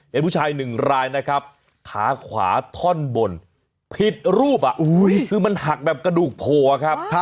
ผู้ชายหนึ่งรายนะครับขาขวาท่อนบนผิดรูปคือมันหักแบบกระดูกโผล่ครับ